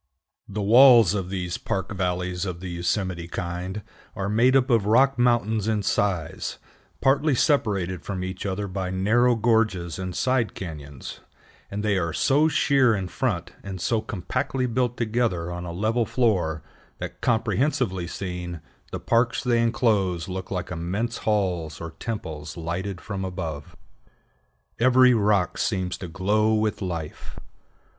The walls of these park valleys of the Yosemite kind are made up of rocks mountains in size, partly separated from each other by narrow gorges and side cañons; and they are so sheer in front, and so compactly built together on a level floor, that, comprehensively seen, the parks they inclose look like immense halls or temples lighted from above. Every rock seems to glow with life.